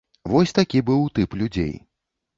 Вось такі быў тып людзей.